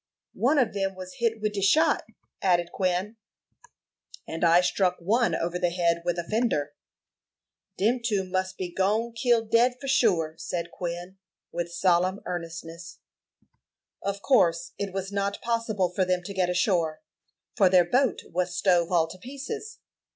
"One of them was hit wid de shot," added Quin. "And I struck one over the head with a fender." "Dem two mus be gone killed dead for sure," said Quin, with solemn earnestness. "Of course it was not possible for them to get ashore, for their boat was stove all to pieces.